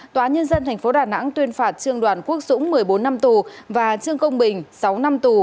tòa nhân dân tp đà nẵng tuyên phạt trương đoàn quốc dũng một mươi bốn năm tù và trương công bình sáu năm tù